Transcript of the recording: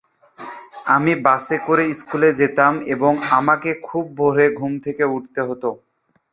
আমি বাসে করে স্কুলে যেতাম এবং আমাকে খুব ভোরে ঘুম থেকে উঠতে হতো।